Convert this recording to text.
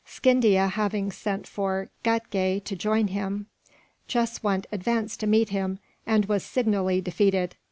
Scindia having sent for Ghatgay to rejoin him, Jeswunt advanced to meet him, and was signally defeated.